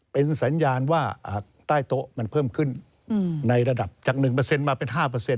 เป็นสัญญาณว่าใต้โต๊ะมันเพิ่มขึ้นในระดับจาก๑มาเป็น๕